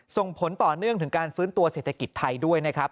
ส่งผลต่อเนื่องถึงการฟื้นตัวเศรษฐกิจไทยด้วยนะครับ